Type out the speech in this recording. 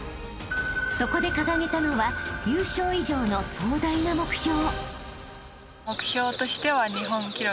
［そこで掲げたのは優勝以上の壮大な目標］